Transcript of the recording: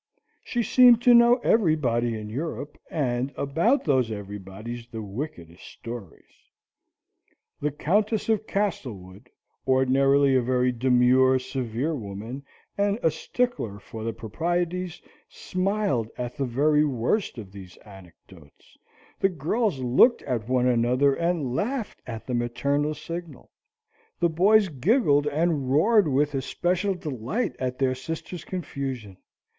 She seemed to know everybody in Europe, and about those everybodies the wickedest stories. The Countess of Castlewood, ordinarily a very demure, severe woman, and a stickler for the proprieties, smiled at the very worst of these anecdotes; the girls looked at one another and laughed at the maternal signal; the boys giggled and roared with especial delight at their sisters' confusion.